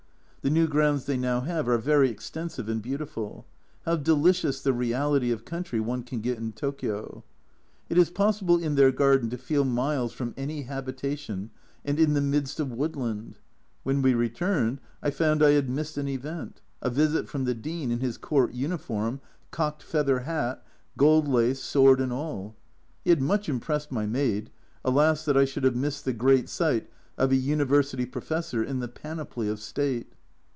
The new grounds they now have are ivery extensive and beautiful how delicious the reality of country one can get in Tokio ! It is possible in their garden to feel miles from any habitation and in the midst of woodland. When we returned I found I had missed an event a visit from the Dean in his Court uniform, cocked feathered hat, gold lace, sword and all. He had much impressed my maid, alas, that I should have missed the great sight of a University Professor in the panoply of state